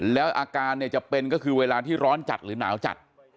แล้วอาการเนี่ยจะเป็นก็คือเวลาที่ร้อนจัดหรือหนาวจัด